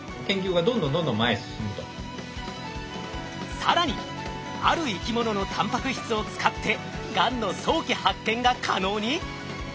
更にある生き物のタンパク質を使ってがんの早期発見が可能に！？